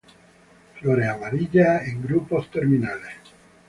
Flores amarillas en grupos terminales.